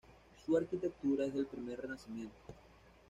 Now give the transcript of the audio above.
Su arquitectura es del primer Renacimiento.